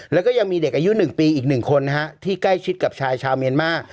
แล้วก็ยังมีเด็กอายุ๑ปีอีก๑คนนะฮะที่ใกล้ชิดกับชายชาวเมียนมา